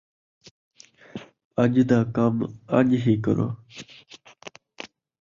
اَڄ دا کم اڄ ہی کرو